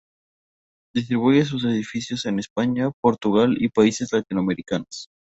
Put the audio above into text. Distribuye sus ediciones en España, Portugal y países latinoamericanos.